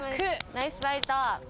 ナイスファイト。